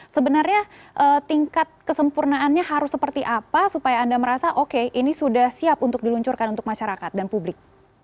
sebenarnya tingkat kesempurnaannya harus seperti apa supaya anda merasa oke ini sudah siap untuk diluncurkan untuk masyarakat dan publik